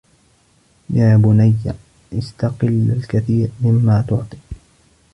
يَا بُنَيَّ اسْتَقِلَّ الْكَثِيرَ مِمَّا تُعْطِي